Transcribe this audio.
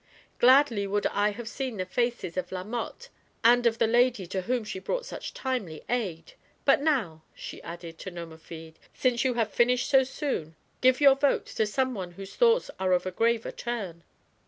Gladly would I have seen the faces of La Mothe and of the lady to whom she brought such timely aid. But now," she added to Nomerfide, " since you have finished so soon, give your vote to some one whose thoughts are of a graver turn."